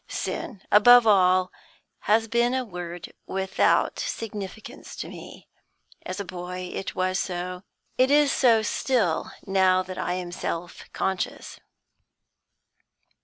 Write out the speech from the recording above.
Sin, above all, has been a word without significance to me. As a boy, it was so; it is so still, now that I am self conscious.